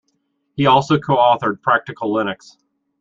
He also co-authored "Practical Linux".